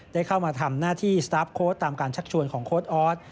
ได้เข้ามาทำหน้าที่สตาร์ฟโค้ดตามการชักชวนของโค้ดออส